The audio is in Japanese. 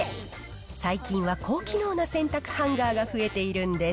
最近は高機能な洗濯ハンガーが増えているんです。